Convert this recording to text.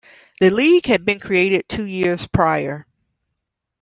The league had been created two years prior.